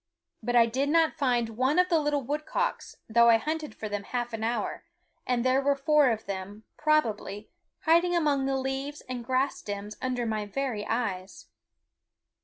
But I did not find one of the little woodcocks, though I hunted for them half an hour, and there were four of them, probably, hiding among the leaves and grass stems under my very eyes.